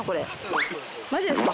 マジですか？